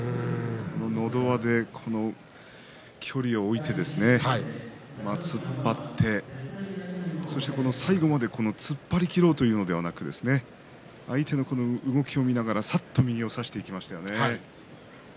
のど輪で距離を置いてですね突っ張って、そして最後まで突っ張り切ろうというのではなく相手の動きを見ながらさっと右を差していきましたね。